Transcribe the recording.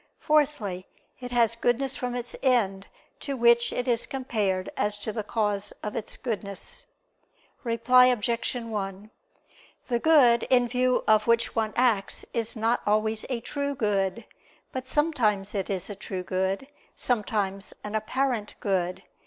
Fourthly, it has goodness from its end, to which it is compared as to the cause of its goodness. Reply Obj. 1: The good in view of which one acts is not always a true good; but sometimes it is a true good, sometimes an apparent good.